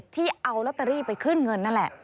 ที่เอาลอตเตอรี่ไปขึ้นเงินนั่นแหละ